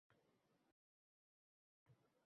Jangovar